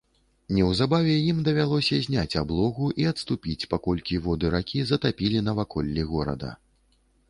Неўзабаве ім давялося зняць аблогу і адступіць, паколькі вады ракі затапілі наваколлі горада.